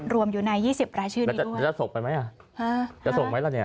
รวมอยู่ใน๒๐รายชื่อนี้ด้วยจะส่งไปไหมล่ะเนี่ย